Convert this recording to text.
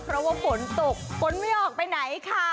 เพราะว่าฝนตกฝนไม่ออกไปไหนค่ะ